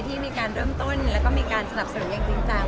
ที่มีการเริ่มต้นแล้วก็มีการสนับสนุนอย่างจริงจัง